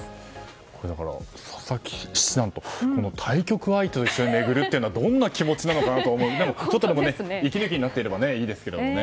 これ、だから佐々木七段という対局相手と一緒に回るのってどんな気持ちなのかなと思いますがでも、息抜きになっていればいいですけどね。